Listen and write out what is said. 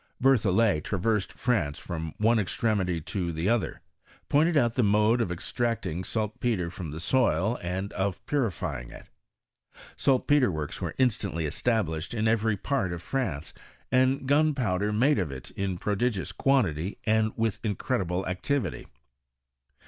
Berthoilet traversed France from one extre mity to the other ; pointed out the mode of extract* ing saltpetre from the soil, and of purifying it. Saltpetre works were inataotly established in every part of France, and gunpowder made of it in pro digious quantity, and with incredihle activity.